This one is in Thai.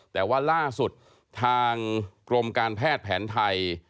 แต่ว่าล่าสุดทางกรมการแพทย์แผนไทย